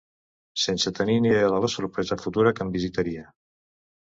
Sense tenir ni idea de la sorpresa futura que em visitaria.